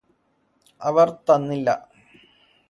അവര് തന്നില്ല